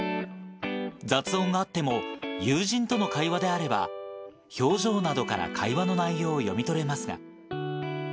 雑音があっても、友人との会話であれば、表情などから会話の内容を読み取れますが。